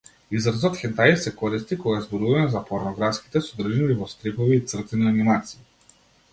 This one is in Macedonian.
Изразот хентаи се користи кога зборуваме за порнографските содржини во стрипови и цртани анимации.